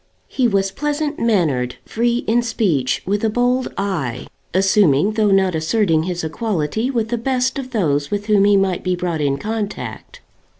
He was pleasant mannered, free in speech, with a bold eye, assuming though not asserting his equality with the best of those with whom he might be brought in contact.